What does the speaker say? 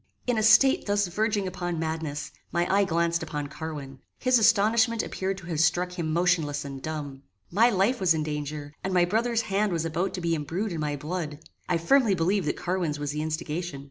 In a state thus verging upon madness, my eye glanced upon Carwin. His astonishment appeared to have struck him motionless and dumb. My life was in danger, and my brother's hand was about to be embrued in my blood. I firmly believed that Carwin's was the instigation.